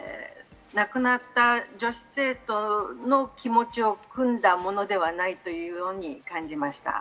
評価も、亡くなった女子生徒の気持ちをくんだものではないというように感じました。